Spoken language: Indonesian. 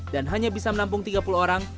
hanya bisa menampung tiga puluh orang